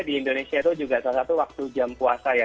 di indonesia itu juga salah satu waktu jam puasa ya